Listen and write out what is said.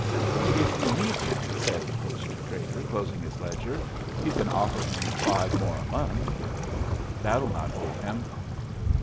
"If you need him," said the post trader, closing his ledger, "you can offer him five more a month." "That'll not hold him."